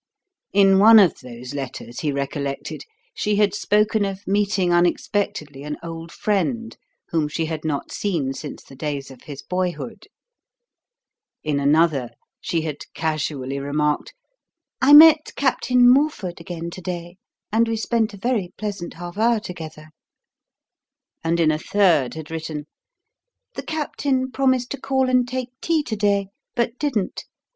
In one of those letters, he recollected, she had spoken of meeting unexpectedly an old friend whom she had not seen since the days of his boyhood; in another, she had casually remarked, "I met Captain Morford again to day and we spent a very pleasant half hour together," and in a third had written, "The Captain promised to call and take tea to day but didn't.